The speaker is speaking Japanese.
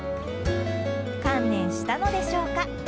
観念したのでしょうか。